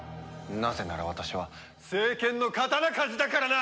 なぜなら私は聖剣の刀鍛冶だからな！